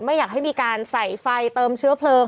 ไม่อยากให้มีการใส่ไฟเติมเชื้อเพลิง